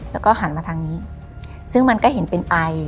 แล้วก็หันมาทางนี้ซึ่งมันก็เห็นเป็นไอ